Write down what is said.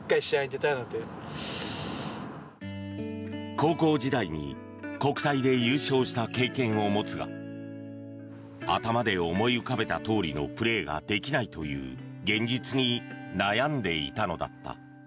高校時代に国体で優勝した経験を持つが頭で思い浮かべたとおりのプレーができないという現実に悩んでいたのだった。